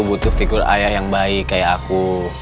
butuh figur ayah yang baik kayak aku